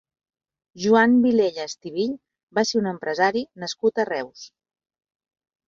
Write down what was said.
Joan Vilella Estivill va ser un empresari nascut a Reus.